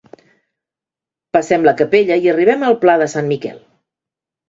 Passem la capella i arribem al pla de Sant Miquel.